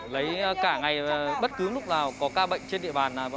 lấy cả ngày bất cứ lúc nào có ca bệnh trên địa bàn